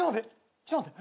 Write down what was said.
ちょっと待って。